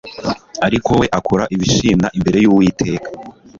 Ariko we akora ibishimwa imbere y Uwiteka